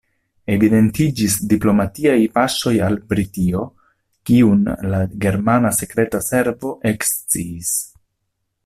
Evidentiĝis diplomatiaj paŝoj al Britio, kiun la germana sekreta servo eksciis.